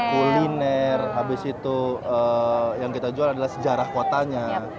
kuliner habis itu yang kita jual adalah sejarah kotanya